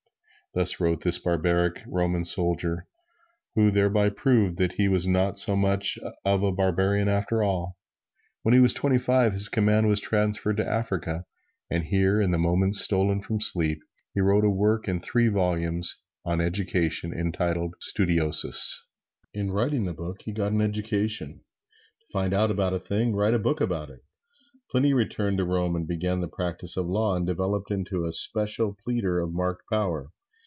Thus wrote this barbaric Roman soldier, who thereby proved he was not so much of a barbarian after all. When he was twenty five, his command was transferred to Africa, and here, in the moments stolen from sleep, he wrote a work in three volumes on education, entitled, "Studiosus." In writing the book he got an education to find out about a thing, write a book on it. Pliny returned to Rome and began the practise of law, and developed into a special pleader of marked power.